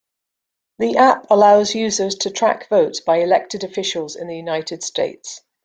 The app allows users to track votes by elected officials in the United States.